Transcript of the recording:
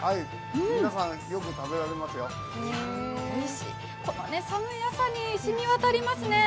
皆さん、よく食べられますよ寒い朝に染み渡りますね。